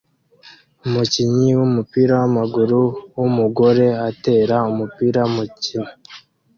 Umukinnyi wumupira wamaguru wumugore atera umupira mukina